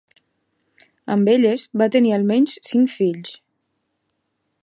Amb elles, va tenir almenys cinc fills.